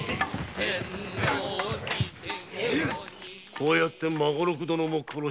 こうやって孫六殿を殺したのか？